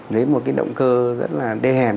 với một động cơ rất là đê hèn